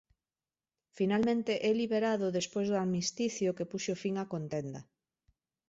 Finalmente é liberado despois do armisticio que puxo fin á contenda.